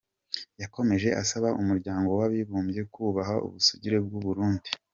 Yakomeje asaba Umuryango w’Abibumbye kubaha ubusugire bw’u Burundi.